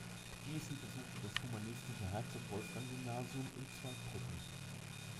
Giessen besuchte das humanistische Herzog-Wolfgang-Gymnasium in Zweibrücken.